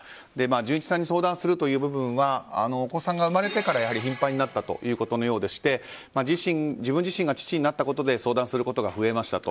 純一さんに相談するという部分はお子さんが生まれてから頻繁になったようでして自分自身が父になったことで相談することが増えましたと。